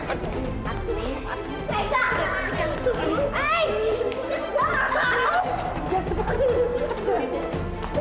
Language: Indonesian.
aduh atuh atuh